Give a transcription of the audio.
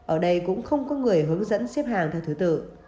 ở đây cũng không có người hướng dẫn xếp hàng theo thứ tự